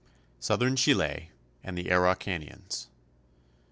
SOUTHERN CHILE AND THE ARAUCANIANS.